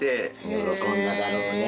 喜んだだろうね。